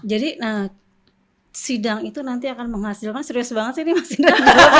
jadi nah sidang itu nanti akan menghasilkan serius banget sih ini mas indra